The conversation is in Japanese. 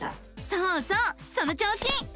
そうそうその調子！